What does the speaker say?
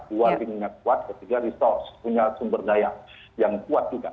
dua linknya kuat ketiga resource punya sumber daya yang kuat juga